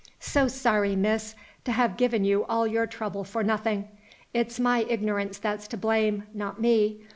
"So sorry, Miss, to have given you all your trouble for nothing; it's my ignorance that's to blame, not me.